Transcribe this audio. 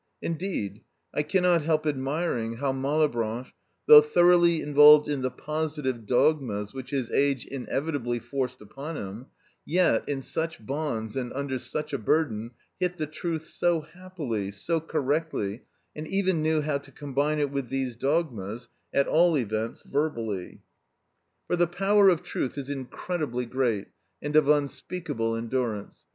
Indeed I cannot help admiring how Malebranche, though thoroughly involved in the positive dogmas which his age inevitably forced upon him, yet, in such bonds and under such a burden, hit the truth so happily, so correctly, and even knew how to combine it with these dogmas, at all events verbally. For the power of truth is incredibly great and of unspeakable endurance.